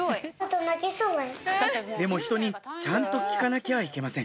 でもひとにちゃんと聞かなきゃいけません